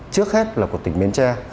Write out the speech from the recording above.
trước hết là của tỉnh biến tre